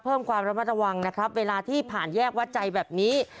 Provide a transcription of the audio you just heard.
เพิ่มความระมัดระวังนะครับเวลาที่ผ่านแยกวัดใจแบบนี้